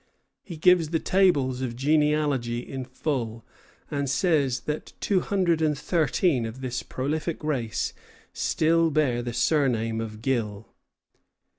He gives the tables of genealogy in full, and says that two hundred and thirteen of this prolific race still bear the surname of Gill.